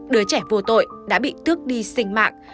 đứa trẻ vô tội đã bị tước đi sinh mạng